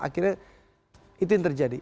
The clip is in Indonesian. akhirnya itu yang terjadi